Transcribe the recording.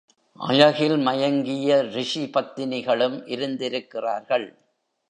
அழகில் மயங்கிய ரிஷிபத்தினிகளும் இருந்திருக்கிறார்கள்.